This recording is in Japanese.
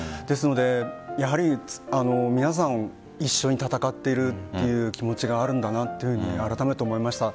やはり、皆さん一緒に戦っているという気持ちがあるんだなとあらためて思いました。